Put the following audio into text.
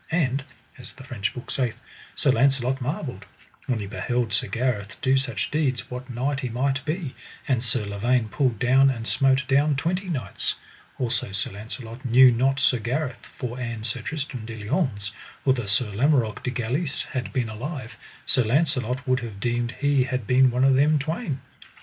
And, as the French book saith, Sir Launcelot marvelled; when he beheld Sir Gareth do such deeds, what knight he might be; and Sir Lavaine pulled down and smote down twenty knights. Also Sir Launcelot knew not Sir Gareth for an Sir Tristram de Liones, outher Sir Lamorak de Galis had been alive, Sir Launcelot would have deemed he had been one of them twain.